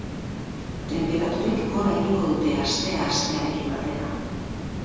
Tenperaturek gora egingo dute astea hastearekin batera.